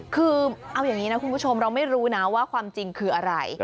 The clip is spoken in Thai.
คือเอาอย่างนี้นะคุณผู้ชมเราไม่รู้นะว่าความจริงคืออะไร